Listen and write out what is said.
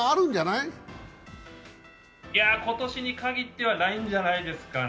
いや、今年にかぎってはないんじゃないですかね。